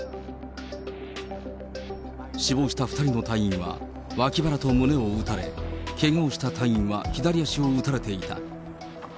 死亡した２人の隊員は、脇腹を胸を撃たれ、けがをした隊員は左足を撃たれていた。